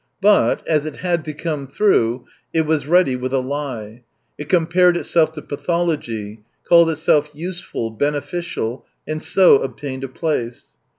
But, as it had to come through, it was ready with a lie ; it compared itself to pathology, called itself useful, beneficial, and so obtained a place.